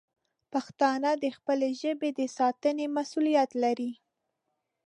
پښتانه د خپلې ژبې د ساتنې مسوولیت لري.